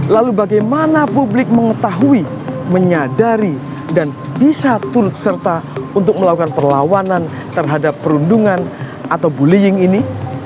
lalu bagaimana publik mengetahui menyadari dan bisa turut serta untuk melakukan perlawanan terhadap perundungan atau bullying ini